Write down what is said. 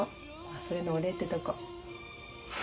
それのお礼ってとこ。